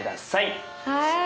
はい。